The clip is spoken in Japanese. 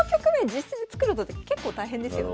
実際に作るのって結構大変ですよね。